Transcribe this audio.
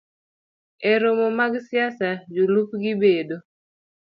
E romo mag josiasa, jolupgi bedo